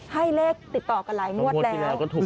ให้เลขติดต่อกันหลายมวดแล้วมวดที่แล้วก็ถูกกระหลัก